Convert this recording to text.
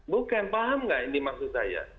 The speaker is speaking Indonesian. bukan paham nggak ini maksud saya